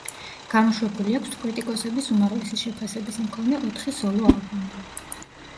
გამოშვებული აქვს კრიტიკოსების უმაღლესი შეფასების მქონე ოთხი სოლო ალბომი.